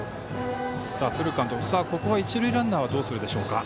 ここは一塁ランナーはどうするでしょうか。